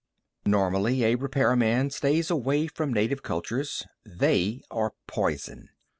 Normally, a repairman stays away from native cultures. They are poison.